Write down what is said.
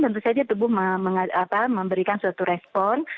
tentu saja tubuh memberikan suatu respon